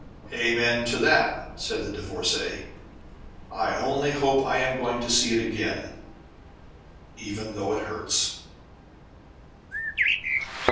"Amen to that," said the Divorcée. "I only hope I am going to see it again even though it hurts."